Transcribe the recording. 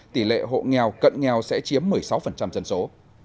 tỷ lệ hộ nghèo cận nghèo sẽ chiếm một mươi sáu dân số